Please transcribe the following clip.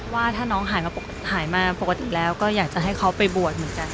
ว่าถ้าน้องหายมาปกติแล้วก็อยากจะให้เขาไปบวชเหมือนกัน